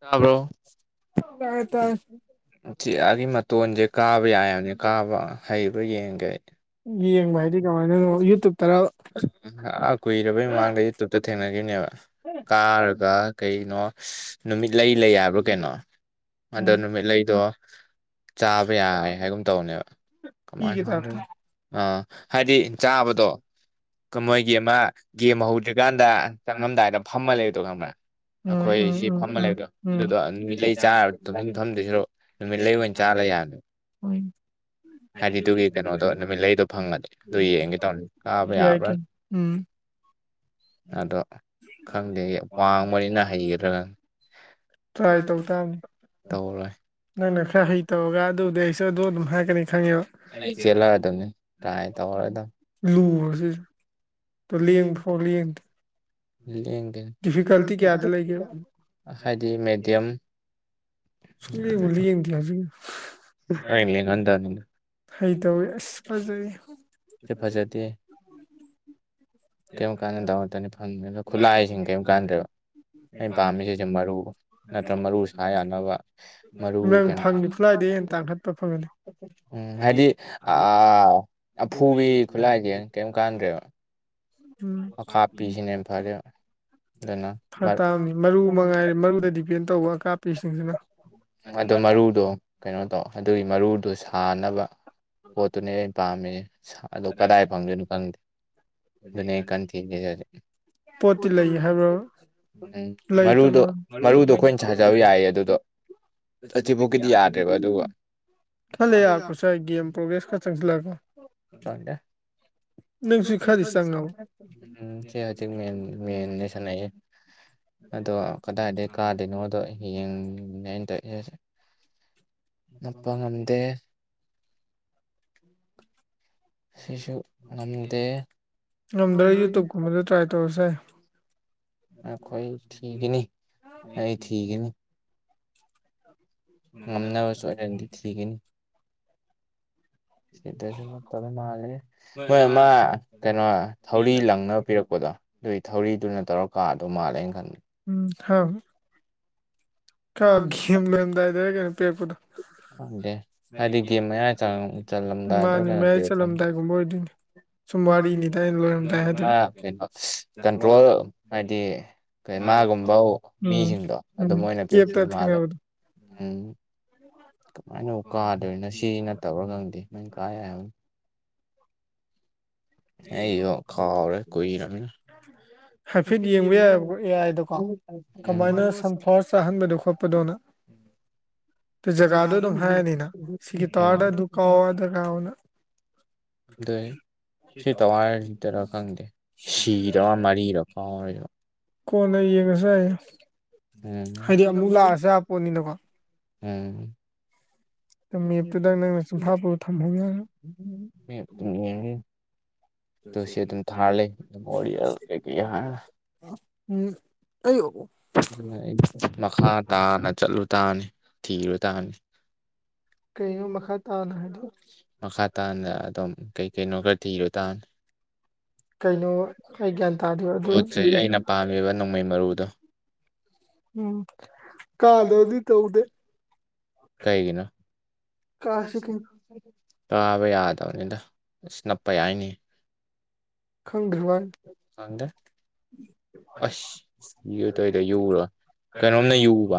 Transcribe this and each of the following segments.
ꯇꯥꯕ꯭ꯔꯣ ꯆꯦꯌꯥꯒꯤ ꯃꯇꯣꯟꯁꯦ ꯀꯥꯕ ꯌꯥꯏꯕꯅꯦ ꯀꯥꯕ ꯍꯩꯕ꯭ꯔꯥ ꯌꯦꯡꯒꯦ ꯑꯩ ꯌꯦꯡꯕ ꯍꯥꯏꯗꯤ ꯀꯃꯥꯏꯅꯅꯣ ꯌꯨꯇꯨꯕꯇꯔ ꯀꯨꯏꯔꯕꯩ ꯃꯃꯥꯡꯗ ꯌꯨꯇꯨꯨꯞꯇ ꯊꯦꯡꯅꯈꯤꯕꯅꯦꯕ ꯀꯥꯔꯒ ꯀꯩꯅꯣ ꯅꯨꯃꯤꯠꯂꯩ ꯂꯩ ꯍꯥꯏꯕ꯭ꯔꯥ ꯀꯩꯅꯣ ꯑꯗꯣ ꯅꯨꯃꯤꯠꯂꯩꯗꯣ ꯆꯥꯕ ꯌꯥꯏ ꯍꯥꯏꯒꯨꯝ ꯇꯧꯅꯦꯕ ꯀꯃꯥꯏ [inaudible] ꯑꯥ ꯍꯥꯏꯗꯤ ꯆꯥꯕꯗꯣ ꯀ ꯃꯣꯏꯒꯤ ꯑꯃ ꯒꯦꯝ ꯍꯧꯗ꯭ꯔꯤꯀꯥꯟꯗ ꯆꯪꯉꯝꯗꯥꯏꯗ ꯐꯝꯃ ꯂꯩꯕꯗꯣ ꯈꯪꯕ꯭ꯔꯥ ꯑꯩꯈꯣꯏ ꯁꯤ ꯐꯝꯃ ꯂꯩꯗꯣ ꯑꯗꯨꯗꯣ ꯅꯨꯃꯤꯠꯂꯩ ꯆꯥꯔ ꯇꯨꯃꯤꯟ ꯐꯝꯗꯣꯏ ꯁꯔꯨꯛ ꯅꯃꯤꯠꯂꯩ ꯑꯣꯏꯟ ꯆꯥ ꯂꯩ ꯌꯥꯗ ꯍꯣꯏ ꯍꯥꯏꯗꯤ ꯑꯗꯨꯒꯤ ꯀꯩꯅꯣꯗꯣ ꯅꯨꯃꯤꯠ ꯂꯩꯗꯣ ꯐꯪꯉꯗꯤ ꯑꯗꯨ ꯌꯦꯡꯒꯦ ꯇꯧꯅꯤ ꯌꯥꯥꯏꯀꯩꯟ ꯎꯝ ꯑꯗꯣ ꯈꯪꯗꯦ ꯋꯥꯡꯕꯅꯤꯅ ꯍꯩꯒꯗ꯭ꯔꯥ ꯈꯪ ꯇ꯭ꯔꯥꯏ ꯇꯧ ꯇꯥꯝꯅꯤ ꯅꯪꯅ ꯈꯔ ꯍꯩꯇꯕꯒ ꯑꯗꯨꯕꯨꯗꯤ ꯑꯩꯁꯨ ꯑꯗꯨ ꯑꯗꯨꯝ ꯍꯥꯏꯔꯛꯀꯅꯤ ꯈꯪꯉꯤꯕ [inaudible] ꯂꯨ [inaudible] ꯂ ꯇꯨ ꯂꯦꯡꯐꯧ ꯂꯦꯡꯗꯦ ꯂꯦꯡꯗꯦ ꯍꯥꯏꯗꯤ ꯃꯦꯗꯤꯌꯝ [inaudible] ꯑꯩꯅ ꯂꯦꯡꯍꯟꯗꯝꯅꯤꯗ [inaudible] ꯁꯤ ꯐꯖꯗꯦ ꯀꯦꯝ ꯀꯥꯟꯅꯗꯃꯛꯇꯅꯤ ꯐꯪꯗꯦꯗ ꯈꯨꯠꯂꯥꯏꯖꯤꯡ ꯀꯦꯝ ꯀꯥꯟꯗ꯭ꯔꯦꯕ ꯑꯩꯅ ꯄꯥꯝꯃꯤꯖꯦ ꯍꯧꯖꯤꯛ ꯃꯔꯨ ꯅꯠꯇ꯭ꯔ ꯃꯔꯨ ꯁꯥ ꯌꯥꯅꯕ ꯃꯔꯨꯒꯤ ꯀꯩꯅꯣ [inaudible] ꯇꯥꯡꯈꯠꯄ ꯐꯪꯒꯅꯤ ꯎꯝ ꯍꯥꯏꯗꯤ ꯑꯥ ꯑꯐꯨꯕꯤ ꯈꯨꯠꯂꯥꯏꯗꯤ ꯀꯦꯝ ꯀꯥꯟꯗ꯭ꯔꯦꯕ ꯎꯝ ꯑꯀꯥꯞꯄꯤꯁꯤꯅ ꯍꯦꯟ ꯐꯔꯦ ꯐ ꯇꯥꯕꯅꯤ ꯃꯔꯨ ꯃꯉꯥꯏꯔꯦ ꯃꯔꯨꯗ ꯗꯤꯄꯦꯟ ꯇꯧꯕ ꯑꯀꯥꯞꯄꯤꯁꯤꯡꯁꯤꯅ ꯃꯗꯣ ꯃꯔꯨꯗꯣ ꯀꯩꯅꯣ ꯇꯧ ꯑꯗꯨꯒꯤ ꯃꯔꯨꯗꯣ ꯁꯥꯅꯕ ꯄꯣꯠꯇꯨꯅꯦ ꯑꯩ ꯄꯥꯝꯃꯤꯖꯦ ꯁ ꯑꯗꯣ ꯀꯗꯥꯏ ꯐꯪꯗꯣꯏꯅꯣ ꯈꯪꯗꯦ ꯑꯗꯨꯅꯦ ꯑꯩ ꯀꯥꯟ ꯊꯤꯖꯁꯦ ꯍꯖꯤꯛ ꯄꯣꯠꯇꯤ ꯂꯩ ꯍꯥꯏꯕ꯭ꯔꯥꯕ ꯂꯩꯇꯃꯥꯟ [inaudible] [inaudible] ꯈꯔ ꯂꯩꯔ ꯌꯥꯔꯛꯄꯁꯨ ꯌꯥꯏ ꯒꯦꯝ ꯄꯣ ꯕꯦꯁ ꯈꯥꯆꯪꯁꯤꯂꯑꯒ ꯅꯪꯁꯨ ꯈꯔꯗꯤ ꯆꯪꯉꯕ ꯎꯝ ꯁꯤ ꯍꯧꯖꯤꯛ ꯃꯦꯟ ꯃꯦꯟꯗꯣꯏ [unintelligible] ꯑꯗꯣ ꯀꯗꯥꯏꯗꯒꯤ ꯀꯥꯗꯣꯏꯅꯣꯗꯣ ꯌꯦꯡꯅꯦ ꯑꯩꯅ ꯇꯧꯏꯔꯁꯦ ꯅꯄ ꯉꯝꯗꯦ [inaudible] ꯉꯝꯗ꯭ꯔ ꯌꯨꯇꯨꯕ ꯀꯨꯝꯕꯗ ꯇ꯭ꯔꯥꯏ ꯇꯧꯔꯁꯨ ꯌꯥꯏ [inaudible] [inaudible] ꯉꯝꯅꯕ ꯁꯣꯏꯗꯅꯗꯤ ꯊꯤꯒꯅꯤ ꯁꯤꯗꯁꯤꯅ ꯐꯗꯣꯏ ꯃꯥꯜꯂꯦꯍꯦ ꯃꯣꯏ ꯑꯃꯥ ꯀꯩꯅꯣ ꯊꯧꯔꯤ ꯂꯪꯅꯕ ꯄꯤꯔꯛꯄꯗꯣ ꯑꯗꯨꯏ ꯊꯧꯔꯤꯗꯨꯅ ꯇꯧꯔꯒ ꯀꯥꯗꯣ ꯃꯥꯜꯂꯦ ꯑꯩꯅ ꯈꯟꯕꯗ ꯎꯝ ꯍꯣꯢ ꯀ ꯦꯝ [inaudible] ꯂꯝꯗꯥꯏꯗꯔ ꯀꯩꯅꯣ ꯄꯦꯛꯛꯄꯗꯣ ꯃꯥꯅꯤ ꯃꯌꯥꯏ ꯆꯠꯂꯝꯗꯥꯏꯒꯨꯝꯕ ꯑꯣꯏꯗꯣꯏꯅꯤ ꯁꯨꯝ ꯋꯥꯔꯤꯅꯤꯗ ꯑꯩꯅ ꯂꯣꯏꯔꯝꯗꯥꯢ ꯍꯥꯏꯗꯨꯗꯤ ꯑꯝ ꯑꯝ ꯀꯦꯠꯇ ꯊꯦꯡꯅꯕꯗꯣ ꯀꯃꯥꯏꯅꯕꯨ ꯀꯥꯗꯣꯏꯅꯣ ꯁꯤ ꯅꯠꯇꯕ꯭ꯔꯥ ꯈꯪꯗꯦ ꯅꯣꯏ ꯀꯥ ꯌꯥꯥꯢ ꯍꯥꯏꯕ ꯑꯩꯒꯤꯗꯣ ꯀꯥꯎꯔꯦ ꯀꯨꯢꯔꯕꯅꯤꯅ ꯑꯝ ꯐꯥꯔ ꯆꯥꯍꯟꯕꯗꯣ ꯈꯣꯠꯄꯗꯧꯅ ꯑꯗꯨ ꯖꯒꯥꯗꯣ ꯑꯗꯨꯝ ꯍꯥꯏꯔꯅꯤꯅ ꯁꯤꯒꯤ ꯇꯥꯔꯗ ꯑꯗꯨ ꯀꯥꯎ ꯀꯥꯎꯅ ꯑꯗꯨꯅꯤ ꯁꯤ ꯇꯋꯥꯏꯔ ꯁꯤꯗꯔ ꯈꯪꯗꯦ ꯁꯤꯔ ꯃꯔꯤꯔ ꯐꯥꯎꯕ ꯀꯣꯟꯅ ꯌꯦꯡꯉꯁꯦ ꯍꯥꯏꯗꯤ ꯑꯃꯨꯛ ꯂꯥꯛꯑꯁꯨ ꯌꯥ ꯄꯣꯠꯅꯤꯅꯀꯣ ꯃꯥꯅꯦ ꯃꯦꯞꯇꯨꯗ ꯅꯪꯅ ꯆꯤꯟꯐꯥ ꯄꯨꯔ ꯊꯝꯍꯧ ꯌꯥꯔꯦ ꯇꯨ ꯁꯤ ꯑꯗꯨꯝ ꯊꯥꯔ ꯂꯩ ꯑꯣꯔꯤꯌꯦꯜ ꯀꯩꯀꯩ ꯍꯥꯏꯔ [inaudible] ꯎꯝ ꯑꯩ [inaudible] ꯑꯗꯨꯅ ꯑꯩ ꯃꯈꯥ ꯇꯥꯅ ꯆꯠꯂꯨ ꯇꯥꯅꯤ ꯊꯤꯔꯨ ꯇꯥꯅꯤ ꯃꯈꯥ ꯇꯥꯅ ꯑꯗꯨꯝ ꯀꯩ ꯀꯩꯅꯣ ꯈꯔ ꯊꯤꯔꯨ ꯇꯥꯕꯅꯤ ꯄꯣꯠ ꯆꯩꯩ ꯑꯩꯅ ꯄꯥꯝꯃꯤꯕ ꯅꯣꯡꯃꯩ ꯃꯔꯨꯗꯣ ꯎꯝ [inaudible] ꯑꯗꯨ ꯀꯩꯒꯤꯅꯣ ꯇꯥꯕ ꯌꯥꯗꯕꯅꯤꯗ ꯑꯁ ꯅꯞꯄ ꯌꯥꯏꯅꯦ ꯈꯪꯗ꯭ꯔꯕꯣ ꯈꯪꯗꯦ ꯑꯁ [inaudible] ꯇꯏꯗ ꯌꯎꯨꯔꯣ ꯀꯩꯅꯣꯝꯅ ꯌꯎꯕ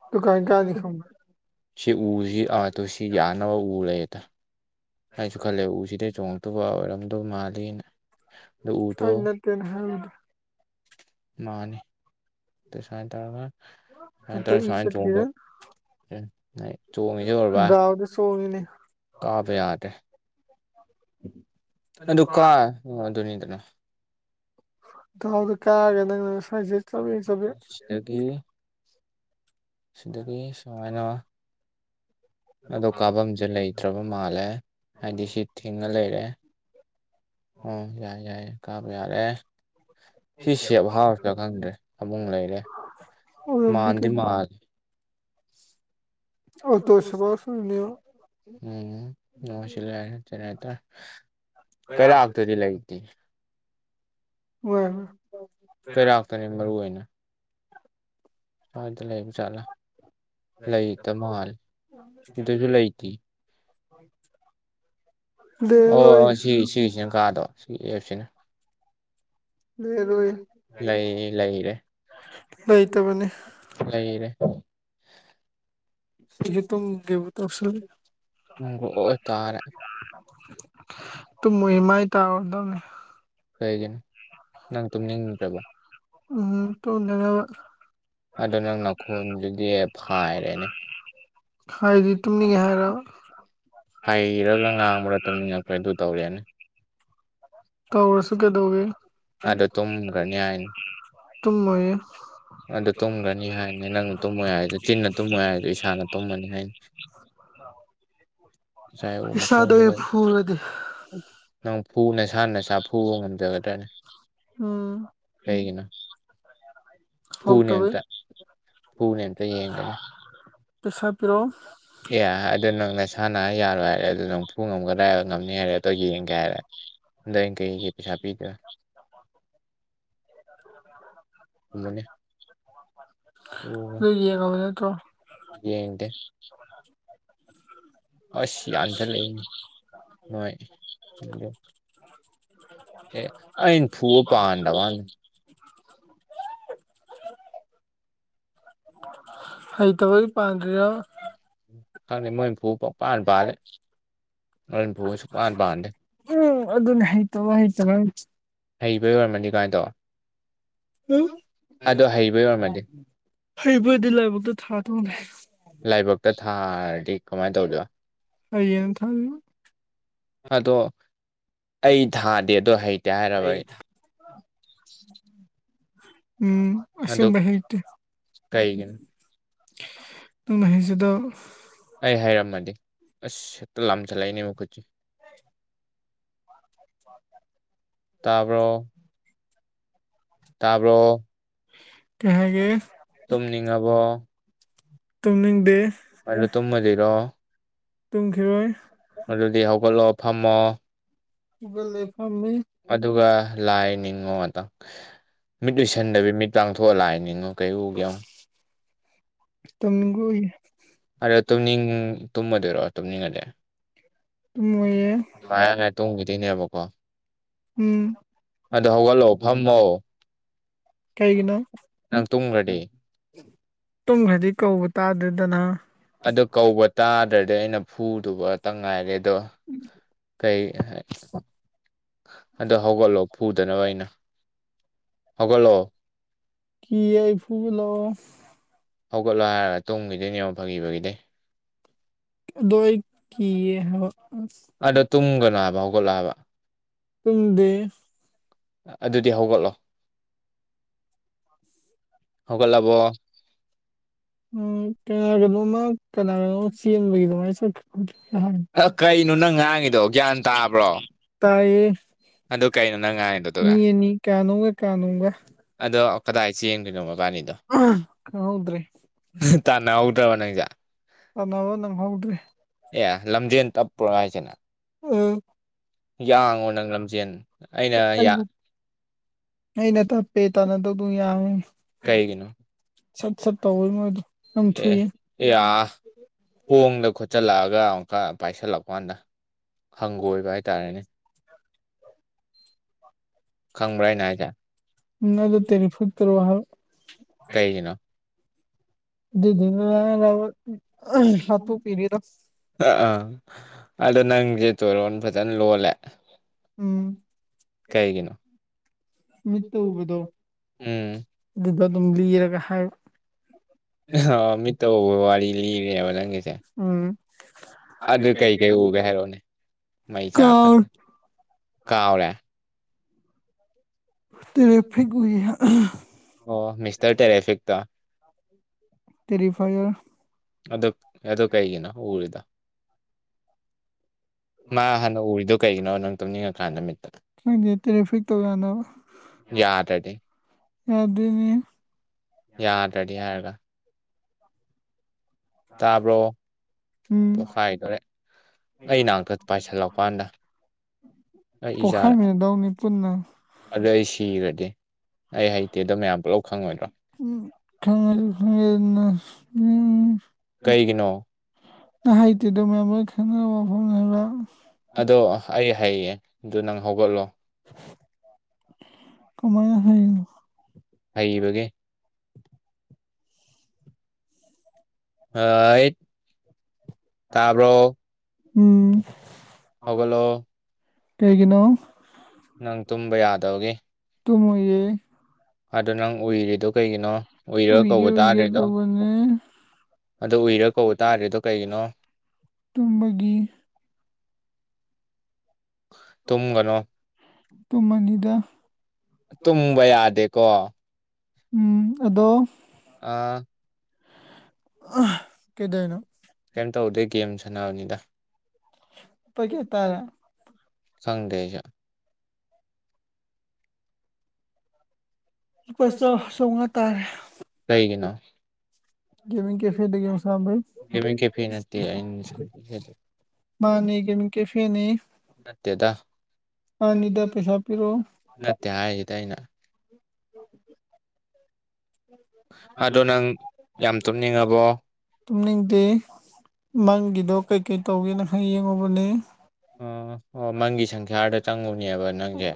ꯎ [unintelligible] ꯁꯤ ꯎꯁꯤ ꯑ ꯁꯤ [inaudible] ꯌꯥꯅꯕ ꯎꯔꯌꯦꯦꯗ ꯑꯩꯁꯨ ꯈꯜꯂꯦ ꯎꯁꯤꯗꯩ ꯆꯣꯡꯉꯛꯇꯧꯕ ꯑꯣꯏꯔꯝꯗꯧ ꯃꯥꯜꯂꯤꯅ ꯑꯗ ꯎꯗꯣ ꯁꯀꯦꯟ ꯍꯦꯟ [inaudible] ꯃꯥꯅꯤ ꯑꯗꯨ ꯁꯨꯃꯥꯏꯅ ꯇꯧꯔꯒ ꯁꯨꯃꯥꯏ ꯇꯧ ꯁꯨꯃꯥꯏꯅ ꯆꯣꯡꯗꯧꯕ ꯆꯣꯡꯉꯤꯁꯦ ꯎꯔꯕ ꯀꯥꯞꯄ ꯌꯥꯗꯦ ꯑꯗꯨ ꯀꯥ ꯑꯗꯨꯅꯤꯗꯅ ꯥꯎꯗ ꯀꯥꯑꯒ ꯅꯪꯅ ꯁꯋꯥꯏꯁꯦ ꯆ ꯆ [inaudible] ꯑꯗꯒꯤ ꯁꯤꯗꯒꯤ ꯁꯨꯃꯥꯏꯅ ꯑꯗꯣ ꯀꯥꯕꯝꯁꯦ ꯂꯩꯇ꯭ꯔꯕ ꯃꯥꯜꯂꯦ ꯍꯥꯏꯗꯤ ꯁꯤ ꯊꯤꯡꯉꯥ ꯂꯩꯔꯦ ꯎꯝ ꯌꯥꯏꯌꯦ ꯌꯥꯏꯌꯦ ꯀꯥꯕ ꯌꯥꯔꯦ ꯁꯤ ꯁꯦꯞ ꯍꯥꯎꯁꯔ ꯈꯪꯗ꯭ꯔꯦ ꯐꯝꯃꯨꯨꯡ ꯂꯩꯔꯦ ꯃꯥꯟꯗꯤ ꯃꯥꯜꯂꯦ ꯑꯣꯇꯣ ꯁꯨꯕꯥꯁ [inaudible] ꯁꯂꯤꯑꯣ ꯀꯔꯤ [inaudible] ꯍꯥꯏꯇꯥꯔꯦ ꯀꯩꯔꯥꯛꯇꯨꯗꯤ ꯂꯩꯇꯦ ꯀꯩꯔꯥꯛꯇꯨꯅꯦ ꯃꯔꯨ ꯑꯣꯏꯅ ꯁꯋꯥꯏꯗ ꯂꯩꯕ ꯖꯥꯠꯂꯥ ꯂꯩꯇ ꯃꯥꯜꯂꯦ ꯁꯤꯗꯁꯨ ꯂꯩꯇꯦ ꯍꯣꯏ [inaudible] ꯑꯣ ꯑꯣ ꯁꯤ ꯁꯤꯒꯤꯁꯤꯅ ꯀꯥꯗꯣꯕ ꯁꯤꯒꯤ ꯑꯦꯞꯁꯤ ꯅ ꯂꯩ ꯂꯩꯔꯦ ꯂꯩꯔꯦ [unintelligible] ꯎꯝ ꯍꯣ ꯑꯣꯏꯇꯥꯥꯔꯦ [unintelligible] ꯇꯨꯝ ꯃꯣꯏꯌꯦ ꯃꯥꯏ ꯇꯥꯔꯨꯗꯝꯅꯦ ꯂꯩꯒꯅꯤ [unintelligible] [unintelligible] [inaudible] ꯎꯝ ꯇꯨꯅ ꯅꯕ [unintelligible] ꯑꯗꯨ [inaudible] ꯍꯥꯏꯗꯤ ꯇꯨꯝꯅꯤꯡꯉꯦ ꯍꯥꯏꯔꯣ ꯍꯩꯔꯒ ꯉꯥꯡꯕ꯭ꯔꯥ ꯇꯨꯝꯅꯤꯡꯉꯛꯄ ꯑꯗꯨ ꯇꯧꯔꯦꯅꯦ ꯀꯧꯔꯁꯨ ꯀꯩꯗꯧꯒꯦ [unintelligible] ꯇꯨꯝ ꯃꯣꯏꯌꯦ ꯑꯗꯨ ꯇꯨꯝꯒ꯭ꯔꯅꯤ ꯍꯥꯏꯅꯦ ꯅꯪꯅ ꯇꯨꯝꯃꯣꯏ ꯍꯥꯏꯗꯣ ꯆꯤꯟꯅ ꯇꯨꯝꯃꯣꯏ ꯍꯥꯏꯗꯣ ꯏꯁꯥꯅ ꯇꯨꯝꯃꯅꯤ ꯍꯥꯏꯅꯦ [unintelligible] ꯏꯁꯥꯗ ꯑꯩ ꯐꯨꯔꯗꯤ ꯅꯪ ꯐꯨꯅ ꯅꯁꯥꯥꯅ ꯅꯁꯥ ꯐꯨꯕ ꯉꯝꯖꯒꯗ꯭ꯔꯅꯦ [unintelligible] ꯍꯩꯒꯤꯅꯣ ꯄꯨꯅꯦ ꯑꯝꯇ ꯄꯨꯅꯦ ꯑꯝꯇ ꯌꯦꯡꯒꯦꯅꯦ ꯄꯩꯁꯥ ꯄꯤꯔꯛꯣꯑꯣ ꯑꯦ ꯑꯗꯨꯗ ꯅꯪ ꯅꯁꯥꯟꯅ ꯌꯥꯔꯣꯏ ꯍꯥꯏꯔꯦ ꯑꯗꯨꯝ ꯄꯨ ꯉꯝꯒꯗ꯭ꯔ ꯍꯥꯏ ꯉꯝꯅꯤ ꯍꯥꯏꯔꯦ ꯑꯗ ꯌꯦꯡꯒꯦ ꯍꯥꯏꯔꯦ ꯑꯟꯗ ꯑꯩꯅ ꯀꯩꯀꯩ ꯄꯩꯁꯥ ꯄꯤꯗꯣꯏ ꯀꯨꯝꯃꯅꯦ ꯑꯗꯨ ꯌꯦꯅꯦꯠꯇ ꯦꯦ [unintelligible] ꯑꯁ ꯌꯥꯟꯁꯤꯜꯂꯛꯏꯅꯦ ꯅꯣꯏ ꯑꯗꯨ ꯑꯦ ꯑꯩꯅ ꯄꯨ ꯄꯥꯗꯕꯅꯤ ꯍꯩꯇꯕꯒꯤ ꯄꯥꯟꯗ꯭ꯔꯤꯔꯣ ꯈꯪꯗꯦ ꯃꯣꯏ ꯍꯨꯝꯐꯨ ꯄꯥꯎꯄꯥꯟ ꯄꯥꯜꯗꯦ ꯃꯣꯏ ꯍꯨꯝꯐꯨ ꯁꯨꯛꯄꯥꯟ ꯄꯥꯟꯗꯦ ꯎꯝ ꯑꯗꯨꯅꯦ ꯍꯩꯇꯔ ꯍꯩꯇꯔ ꯍꯩꯕ ꯑꯣꯏꯔꯝꯃꯅꯤ ꯀꯥꯏꯅꯗꯣ [unintelligible] ꯍꯩꯕꯗꯤ ꯂꯥꯏꯕꯛꯇ ꯊꯥꯗꯣꯡ ꯂꯦ ꯂꯥꯏꯕꯛꯇ ꯊꯥꯔꯗꯤ ꯀꯃꯥꯏ ꯇꯧꯗꯣꯏꯕ ꯑꯩꯌꯦ ꯊ [unintelligible] [inaudible] ꯑꯗꯣ ꯑꯩ ꯊꯥꯗꯦ ꯑꯗꯣ ꯍꯩ [unintelligible] [inaudible] ꯎꯝ ꯑꯁꯨꯝꯕ ꯍꯩꯇꯦ [unintelligible] ꯅꯪꯅ ꯍꯩꯖꯗꯕ ꯑꯩ ꯍꯥꯏꯔꯝꯃꯗꯤ ꯑꯁ ꯍꯦꯛꯇ ꯂꯥꯝꯖꯜꯂꯛꯏꯅꯦ ꯃꯈꯨꯠꯁꯦ [unintelligible] ꯇꯕ꯭ꯔꯣ [unintelligible] ꯀꯍꯥꯏꯒꯦ [unintelligible] ꯍꯕꯣ ꯑꯩꯅ ꯇꯨꯝꯃꯗꯤꯔꯣ ꯑꯗꯨꯗꯤ ꯍꯧꯒꯠꯂꯣ ꯐꯝꯃꯣ [unintelligible] ꯑꯗꯨꯒ ꯂꯥꯏ ꯅꯤꯡꯉꯣ ꯉꯥꯛꯇꯪ ꯃꯤꯠ ꯑꯨꯏꯁꯟꯗꯕꯤ ꯃꯤꯠ ꯄꯥꯡꯊꯣꯛꯑ ꯂꯥꯏ ꯅꯤꯡꯉꯣ ꯀꯩꯒ ꯑꯗ ꯇꯨꯝꯅꯤꯡ ꯇꯨꯝꯃꯗꯣꯏꯔꯣ ꯇꯨꯝꯅꯤꯡꯉꯗꯤ ꯑꯗꯨ ꯃꯣꯏꯌꯦ ꯄꯥꯏꯔꯃꯦꯦ ꯇꯨꯡꯒꯤꯗꯤꯅꯦꯕꯀꯣ ꯎꯝ ꯑꯗꯣ ꯍꯧꯒꯠꯂꯣ ꯐꯝꯃꯑꯣ ꯀꯒꯤꯅ ꯇꯨꯝꯈ꯭ꯔꯗꯤ ꯀꯧꯕ ꯇꯥꯗꯗꯅ ꯑꯗꯨ ꯀꯧꯕ ꯇꯥꯗ꯭ꯔꯗꯤ ꯑꯩꯅ ꯐꯨꯗꯨꯒꯇ ꯉꯥꯏꯔꯦ ꯣ ꯀꯩ ꯑꯗꯣ ꯍꯧꯒꯠꯂꯣ ꯐꯨꯗꯅꯕ ꯑꯩꯅ ꯀ ꯑꯩ ꯐꯨꯕꯂꯣ ꯍꯧꯒꯠꯂꯣ ꯍꯥꯏꯔꯒ ꯇꯡꯒꯤꯗꯣꯏꯅꯦꯕ ꯐꯥꯈꯤꯕꯒꯤꯗꯩ ꯑꯗꯣ ꯑꯩ ꯀꯤꯌꯦ ꯍꯥꯏꯕꯥ ꯑꯗꯣ ꯇꯨꯝꯒꯅꯨ ꯍꯥꯏꯕ ꯍꯧꯒꯠꯂꯣ ꯍꯥꯏꯕꯥ ꯑꯗꯨꯗꯤ ꯍꯧꯒꯠꯂꯣ [inaudible] ꯎꯝ ꯀꯅꯥ ꯀꯅꯣ ꯃꯥ ꯀꯅꯥ ꯀꯅꯣ ꯆꯦꯟꯕꯒꯤ ꯑꯗꯨꯃꯥꯏꯅ ꯆꯠꯈꯦ ꯇꯥꯏꯌꯦ ꯃꯤꯅꯤ ꯀꯥꯅꯣꯡꯒ ꯀꯥꯅꯣꯡꯒ ꯑꯗꯣ ꯀꯗꯥꯏ ꯆ ꯌꯦꯡꯗꯣꯏꯅꯣ ꯃꯕꯥꯅꯤꯗꯣ ꯇꯥꯟꯅ ꯄꯨꯕ ꯅꯪꯖ ꯅꯥꯕ ꯅꯪ ꯍꯥꯎꯗ꯭ꯔꯤ ꯑ ꯌꯥꯡꯉꯣ ꯅꯪ ꯂꯝꯖꯦꯟ ꯑꯩꯅ ꯑꯩꯅ ꯇ ꯄꯦ ꯇꯥꯅꯗꯧꯗ ꯌꯥꯉ ꯁꯠ ꯁꯠ ꯇꯧꯋꯤ ꯃꯣꯏꯗ ꯑꯦ ꯌꯥ ꯍꯣꯡꯗ ꯈꯨꯠ ꯆꯠꯂꯛꯑꯒ ꯑꯃꯨꯛꯀ ꯄꯥꯏꯁꯜꯂꯛꯀꯥꯟꯗ ꯍꯪꯒꯣꯏꯕ ꯍꯥꯏꯇꯥꯔꯦꯅꯦ ꯗ ꯇꯔꯤ ꯐꯠꯇꯔ ꯋꯥ ꯍꯥꯜ ꯗꯤꯅ ꯍꯥꯠꯇ ꯄꯤꯔꯤꯗ ꯑ ꯑꯥ ꯑꯗꯣ ꯅꯪꯁꯦ ꯇꯣꯔꯣꯟ ꯐꯖꯅ ꯂꯣꯜꯂꯦ ꯀꯩꯒꯤꯅꯣ ꯃꯤꯠꯇ ꯎꯕꯗꯣ ꯑꯗꯨꯗ ꯑꯗꯨꯝ ꯂꯤꯔꯒ ꯍꯥꯏ ꯑ ꯃꯤꯠꯇ ꯎꯕ ꯋꯥꯔꯤ ꯂꯤꯔꯦꯕ ꯅꯪꯒꯤꯁꯦ ꯎꯝ ꯑꯗꯨ ꯀ ꯇꯔꯦꯞ ꯐꯦꯛꯒꯨꯏ [unintelligible] ꯑꯣ ꯃꯤꯁꯇꯔ ꯇꯦꯔꯦꯐꯦꯛꯇ ꯇꯔꯤ ꯐꯌꯔ ꯑꯗꯣ ꯑꯗꯤ ꯀꯩꯒꯤꯅ ꯎꯔꯤꯗꯣ ꯃꯥ ꯍꯥꯟꯅ ꯎꯔꯤꯗꯣ ꯀꯩꯒꯤꯅꯣ ꯅꯪ ꯇꯨꯝꯅꯤꯡꯉꯀꯥꯟꯗ ꯅꯨꯃꯤꯠꯇ ꯈꯪꯗꯦ ꯇ꯭ꯔꯦꯐꯤꯛꯛꯇꯧ ꯌꯥꯅꯕ ꯌꯥꯗꯣꯏꯅꯦ ꯌꯥꯗ꯭ꯔꯗꯤ ꯍꯥꯏꯔꯒ ꯇꯥꯕ꯭ꯔꯣ ꯄꯣꯛꯈꯥꯏꯗꯣꯔꯦ ꯑꯩ ꯅꯥꯛꯇ ꯄꯥꯏꯁꯤꯜꯂꯛꯀꯥꯟꯗ ꯑꯩ ꯏꯆꯥꯗ ꯑꯗꯨ ꯑꯩ ꯁꯤꯈꯗꯤ ꯑꯩ ꯍꯩꯇꯦ ꯑꯗꯣ ꯃꯌꯥꯝ ꯄꯨꯂꯞ ꯈꯪꯉꯣꯏꯗ꯭ꯔꯣ [unintelligible] ꯅꯍꯩꯇꯦꯗꯣ ꯃꯌꯥꯝ ꯂꯣꯏ ꯈꯪꯅꯕ ꯋꯥꯐꯝ ꯍꯥꯏꯕ ꯑꯗꯣ ꯑꯩ ꯍꯌꯦ ꯑꯗꯨ ꯅꯪ ꯍꯧꯒꯠꯂꯣ ꯀꯃꯥꯏꯅ ꯍꯌꯦ ꯍꯩꯕꯒꯤ ꯍ ꯇꯥꯕ꯭ꯔꯣ ꯎꯝ ꯀꯩꯒꯤꯅꯣ ꯅꯪ ꯇꯨꯝꯕ ꯌꯥꯗꯕꯒꯤ ꯇꯨ ꯃꯦ ꯑꯗꯣ ꯅꯪ ꯎꯏꯔꯔꯤꯗꯣ ꯀꯩꯒꯤꯅꯣ ꯎꯏꯔꯒ ꯀꯧꯕ ꯇꯥꯗ꯭ꯔꯦꯗꯣ ꯑꯗꯣ ꯎꯏꯔꯒ ꯀꯧꯕ ꯇꯥꯔꯦꯗꯣ ꯀꯩꯒꯤꯅꯣ ꯇꯨꯝꯕꯒꯤ ꯇꯨꯝꯃꯅꯤꯗ ꯇꯨꯝꯕ ꯌꯥꯗꯦꯀꯣ ꯎꯝ ꯑꯗꯣ ꯑ ꯀꯦꯗꯅꯣ ꯀꯩꯝ ꯇꯧꯗꯦ ꯒꯦꯝ ꯁꯥꯟꯅꯕꯅꯤꯗ ꯈꯪꯗꯦ ꯑꯩꯁꯨ ꯄꯥꯩꯁ ꯁꯣꯉ ꯇꯥꯔꯦ ꯀꯩꯒꯤꯅꯣ ꯒꯦꯃꯤꯡ ꯀꯦꯐꯦ ꯗꯒꯦ ꯁꯝ ꯃꯥꯅꯤ ꯍꯦꯃꯤꯡ ꯀꯦꯐꯦ ꯗꯩꯩ ꯅꯠꯇꯦꯗ ꯑꯅꯤꯗ ꯄꯦꯏꯁꯥ ꯄꯤꯔꯣ ꯅꯠꯇꯦ ꯍꯥꯏꯁꯤꯗ ꯑꯩꯅ ꯑꯗꯨꯅꯥ ꯇꯨꯝꯅꯤꯡꯗꯦ ꯃꯪꯒꯤꯗꯣ ꯀꯩꯀꯩ ꯇꯧꯒꯦꯅ ꯈ ꯌꯦꯡꯉꯨꯕꯅꯦ ꯑꯣ ꯑꯣ ꯃꯪꯒꯤ ꯁꯪꯈ꯭ꯌꯥꯔꯗ ꯆꯪꯉꯨꯅꯦꯕ ꯅꯪꯁꯦ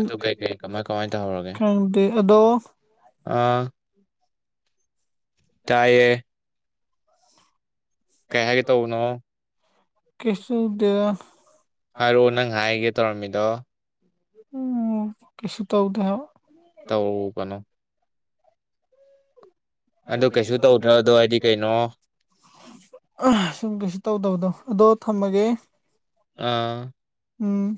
ꯑꯗꯨ ꯀꯩ ꯀꯩ ꯀꯃꯥꯏ ꯀꯃꯥꯏ ꯇꯧꯍꯧꯔꯒꯦ ꯑꯥ ꯇꯥꯏꯌꯦ ꯀꯔꯤ ꯍꯥꯏꯔꯛꯑꯣ ꯅꯪ ꯍꯥꯏꯒꯦ ꯇꯧꯔꯝꯃꯤꯗꯣ ꯎꯝ ꯀꯩꯁꯨ ꯇꯧꯗꯦ ꯇꯧ ꯀꯩꯅꯣ ꯑꯗꯨ ꯀꯩꯁꯨ ꯇꯧꯗꯔ ꯑꯗꯨ ꯍꯥꯏꯗꯤ ꯀꯩꯅꯣ ꯁꯨꯝ ꯀꯩꯁꯨ ꯇꯧꯗꯕꯗꯣ ꯑꯗꯣ ꯊꯝꯃꯒꯦ ꯑꯥ ꯎꯝ